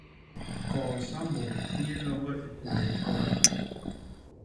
Koo sambô i yé loñge i kuye hikoda.